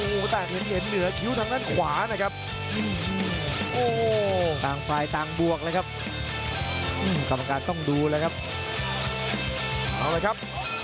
เอาเลยครับยกที่สองครับ